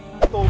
masih smit kan